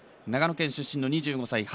長野県出身の２５歳。